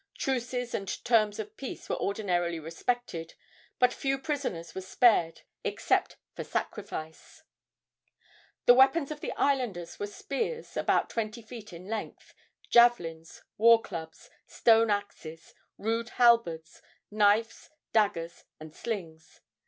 Truces and terms of peace were ordinarily respected, but few prisoners were spared except for sacrifice. The weapons of the islanders were spears about twenty feet in length, javelins, war clubs, stone axes, rude halberds, knives, daggers and slings.